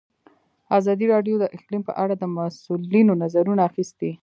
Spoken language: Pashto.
ازادي راډیو د اقلیم په اړه د مسؤلینو نظرونه اخیستي.